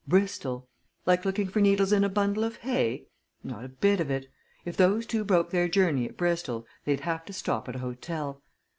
Bristol! Like looking for needles in a bundle of hay? Not a bit of it. If those two broke their journey at Bristol, they'd have to stop at an hotel.